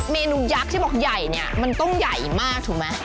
เมนูยักษ์ที่บอกใหญ่เนี่ยมันต้องใหญ่มากถูกไหม